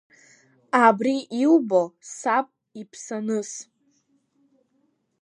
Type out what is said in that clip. Абри иубо, саб иԥсаныс…